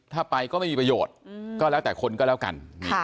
ถ้าไปก็ไม่มีประโยชน์ก็แล้วแต่คนก็แล้วกัน